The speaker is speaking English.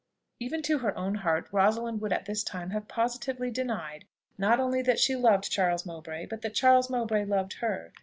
Even to her own heart Rosalind would at this time have positively denied, not only that she loved Charles Mowbray, but that Charles Mowbray loved her.